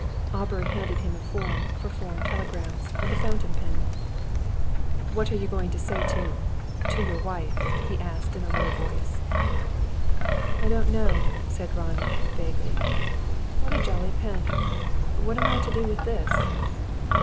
Aubrey handed him a form for foreign telegrams, and a fountain pen. "What are you going to say to to your wife?" he asked in a low voice. "I don't know," said Ronnie, vaguely. "What a jolly pen! What am I to do with this?"